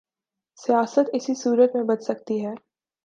سیاست اسی صورت میں بچ سکتی ہے۔